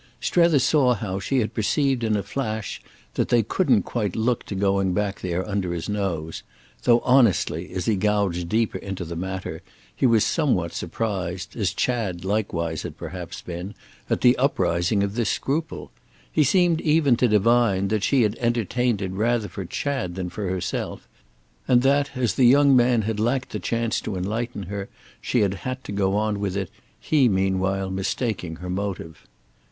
Strether saw how she had perceived in a flash that they couldn't quite look to going back there under his nose; though, honestly, as he gouged deeper into the matter, he was somewhat surprised, as Chad likewise had perhaps been, at the uprising of this scruple. He seemed even to divine that she had entertained it rather for Chad than for herself, and that, as the young man had lacked the chance to enlighten her, she had had to go on with it, he meanwhile mistaking her motive.